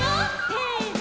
せの！